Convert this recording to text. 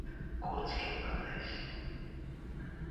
高知県安芸市